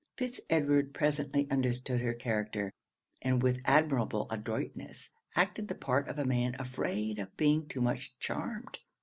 Fitz Edward presently understood her character; and with admirable adroitness acted the part of a man afraid of being too much charmed.